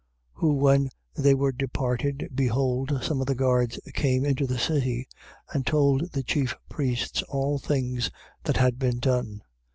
28:11. Who when they were departed, behold, some of the guards came into the city and told the chief priests all things that had been done.